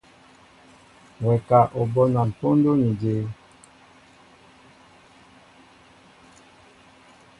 Wɛ ka, O bónan póndó ni jě?